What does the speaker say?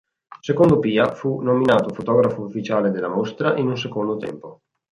Secondo Pia fu nominato fotografo ufficiale della mostra in un secondo tempo.